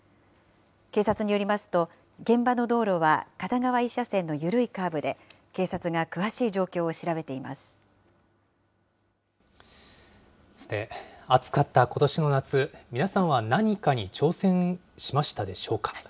警察によりますと、現場の道路は片側１車線の緩いカーブで、警察さて、暑かったことしの夏、皆さんは何かに挑戦しましたでしょうか。